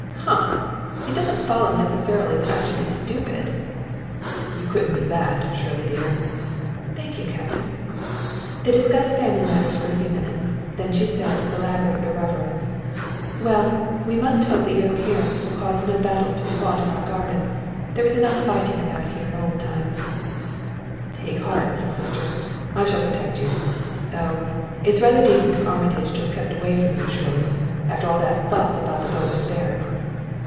"Humph! It doesn't follow, necessarily, that I should be stupid!" "You couldn't be that, Shirley, dear." "Thank you, Captain." They discussed family matters for a few minutes; then she said, with elaborate irrelevance: "Well, we must hope that your appearance will cause no battles to be fought in our garden. There was enough fighting about here in old times." "Take heart, little sister, I shall protect you. Oh, it's rather decent of Armitage to have kept away from you, Shirley, after all that fuss about the bogus baron."